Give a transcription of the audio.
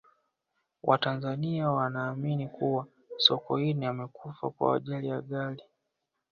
watanzania wanaamini kuwa sokoine amekufa kwa ajali ya gari